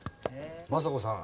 政子さん